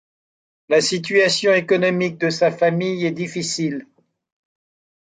La situation économique de sa famille est difficile.